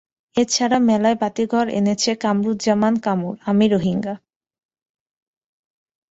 এ ছাড়া মেলায় বাতিঘর এনেছে কামরুজ্জামান কামুর আমি রোহিঙ্গা।